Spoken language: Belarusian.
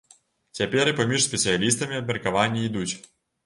Цяпер і паміж спецыялістамі абмеркаванні ідуць.